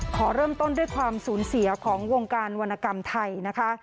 ขอเริ่มต้นด้วยความสูญเสียของวงการวรรณกรรมไทยนะคะ